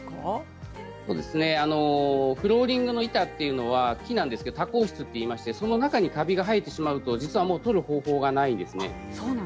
フローリングの板というのは木なんですが多孔質ということでその中にカビが生えてしまうと取る方法がないですね。